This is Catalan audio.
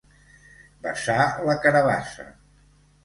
Besar la carabassa.